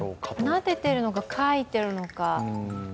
なでてるのか、かいているのか。